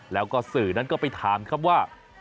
แล้วก็สื่อนั้นก็ไปถามครับว่า